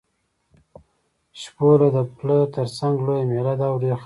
شپوله د پله تر څنګ لویه مېله ده او ډېر خلک راځي.